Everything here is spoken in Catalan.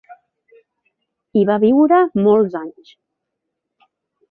Hi va viure molts anys.